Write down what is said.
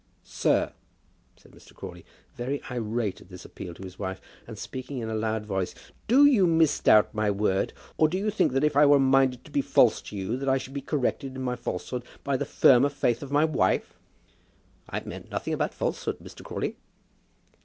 "Sir," said Mr. Crawley, very irate at this appeal to his wife, and speaking in a loud voice, "do you misdoubt my word; or do you think that if I were minded to be false to you, that I should be corrected in my falsehood by the firmer faith of my wife?" "I meant nothing about falsehood, Mr. Crawley."